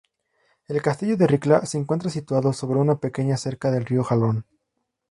El castillo de Ricla se encuentra situado sobre una peña cerca del río Jalón.